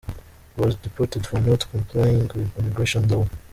was deported for "not complying with immigration law".